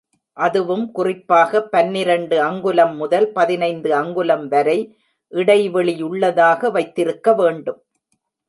அதுவும் குறிப்பாக பனிரண்டு அங்குலம் முதல் பதினைந்து அங்குலம் வரை இடைவெளியுள்ளதாக வைத்திருக்க வேண்டும்.